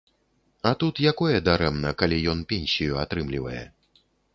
А тут якое дарэмна, калі ён пенсію атрымлівае.